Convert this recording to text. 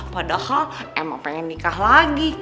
padahal emang pengen nikah lagi